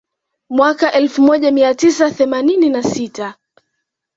Mwaka elfu moja mia tisa themanini na sita